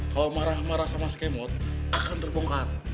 kalau marah marah sama skemot akan terbongkar